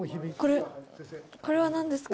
これは何ですか？